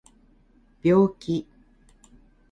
病気